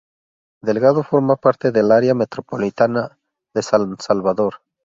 Delgado forma parte del Área Metropolitana de San Salvador.